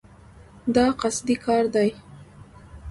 دا قصدي کار دی.